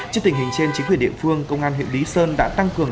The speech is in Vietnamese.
trước tình hình trên chính quyền địa phương công an huyện lý sơn đã tăng cường